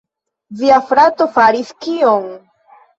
"Via frato faris kion?"